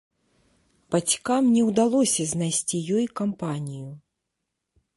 Бацькам не ўдалося знайсці ёй кампанію.